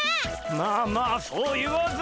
まあまあそう言わずに。